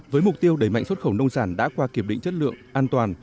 với mục tiêu đẩy mạnh xuất khẩu nông sản đã qua kiểm định chất lượng an toàn